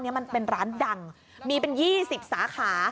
มันเป็นร้านดังมีเป็น๒๐สาขา